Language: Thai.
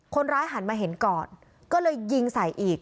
หันมาเห็นก่อนก็เลยยิงใส่อีก